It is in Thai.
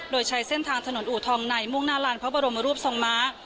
โดยใช้เส้นทางถนนอูทองในมุ่งหน้าลานพระบรมรูปทรงม้า